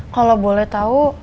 kalo boleh tau